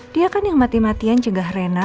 dia kan yang mati matian cegah rena